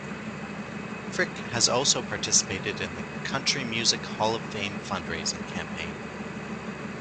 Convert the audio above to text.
Fricke has also participated in the Country Music Hall of Fame Fundraising Campaign.